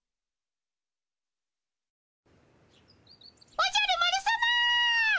おじゃる丸さま！